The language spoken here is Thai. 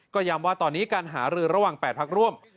ก็ย้ำว่าตอนนี้การหารือระหว่าง๘พักร่วม